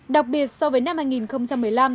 đặc biệt so với năm hai nghìn một mươi năm